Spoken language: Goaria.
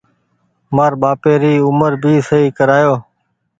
مآر ٻآپي ري اومر ڀي سئي ڪرايو۔